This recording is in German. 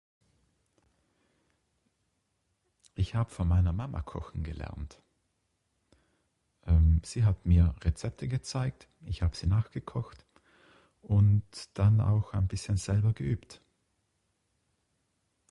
Ich hab von meiner Mama kochen gelernt. Ehm Sie hat mir Rezepte gezeigt, ich hab Sie nachgekocht und dann auch ein bisschen selber geübt.